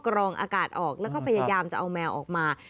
กรองอากาศออกแล้วก็พยายามจะเอาแมวออกมา